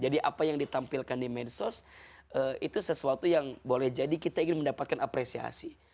jadi apa yang ditampilkan di medsos itu sesuatu yang boleh jadi kita ingin mendapatkan apresiasi